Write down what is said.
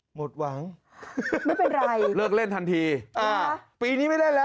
หมดหวังไม่เป็นไรเลิกเล่นทันทีอ่าปีนี้ไม่ได้แล้ว